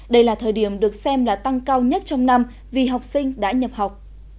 đây là thời điểm được xem là tăng cao nhất trong năm vì học sinh đã nhập học